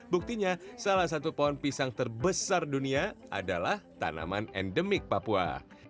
buktinya salah satu pohon pisang terbesar dunia adalah tanaman endemik papua